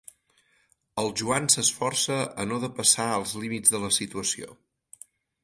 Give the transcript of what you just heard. El Joan s'esforça a no depassar els límits de la situació.